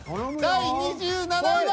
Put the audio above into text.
第２７位は。